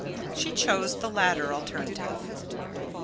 She choose the latter alternative.